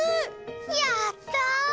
やった！